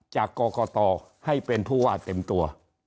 จากกรกตให้เป็นผู้ว่าเต็มตัว